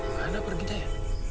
mana pergi aja